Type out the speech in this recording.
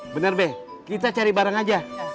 bener be kita cari bareng aja